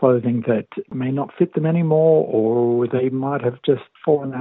atau mereka mungkin hanya terlepas dari cinta dengan pakaiannya